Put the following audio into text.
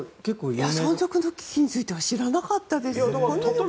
存続の危機については知らなかったです。